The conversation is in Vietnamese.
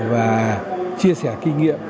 và chia sẻ kinh nghiệm